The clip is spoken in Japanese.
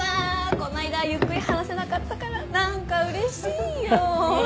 この間はゆっくり話せなかったから何かうれしいよ！ね。